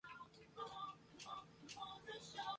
Sin embargo, fue distribuido por Capitol Records en Canadá.